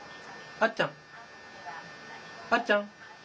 あっちゃん？